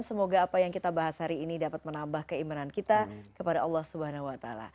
semoga apa yang kita bahas hari ini dapat menambah keimanan kita kepada allah swt